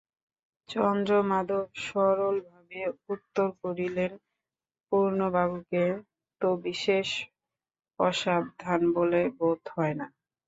চন্দ্রমাধব সরলভাবে উত্তর করিলেন, পূর্ণবাবুকে তো বিশেষ অসাবধান বলে বোধ হয় না।